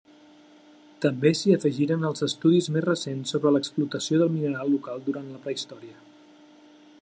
També s’hi afegiren els estudis més recents sobre l'explotació de mineral local durant la prehistòria.